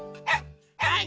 はい！